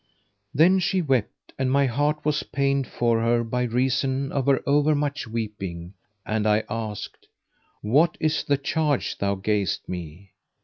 Then, she wept, and my heart was pained for her by reason of her over much weeping, and I asked, "What is the charge thou gayest me?"